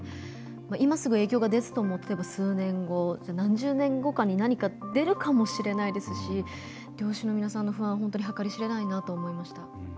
今すぐ影響が出ずとも例えば数年後、何十年後かに何か出るかもしれないですし漁師の皆さんの不安は本当に計り知れないなと思いました。